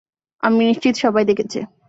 আমি নিশ্চিত সবাই দেখেছে।